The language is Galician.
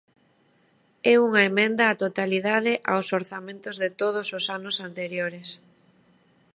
É unha emenda á totalidade aos orzamentos de todos os anos anteriores.